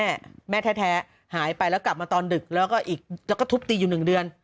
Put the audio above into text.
แม่แม่แท้หายไปแล้วกลับมาตอนดึกแล้วก็อีกแล้วก็ทุบตีอยู่หนึ่งเดือน